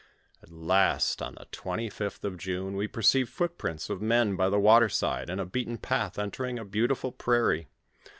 At last, on the 25th of June, we perceived footprints of men by the water side, and a beaten path entering a beautiful prairie.